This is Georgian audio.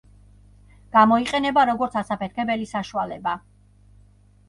გამოიყენება როგორც ასაფეთქებელი საშუალება.